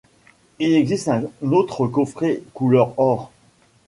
Il existe un autre coffret couleur or.